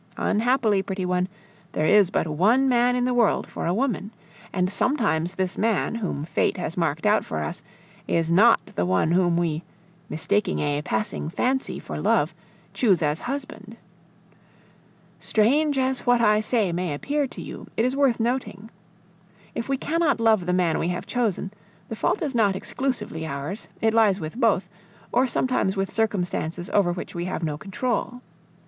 Unhappily, pretty one, there is but one man in the world for a woman! And sometimes this man, whom fate has marked out for us, is not the one whom we, mistaking a passing fancy for love, choose as husband. Strange as what I say may appear to you, it is worth noting. If we cannot love the man we have chosen, the fault is not exclusively ours, it lies with both, or sometimes with circumstances over which we have no control.